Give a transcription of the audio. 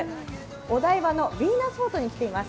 お台場のヴィーナスフォートに来ています。